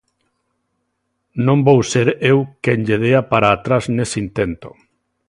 Non vou ser eu quen lle dea para atrás nese intento.